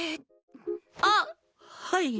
あっはい。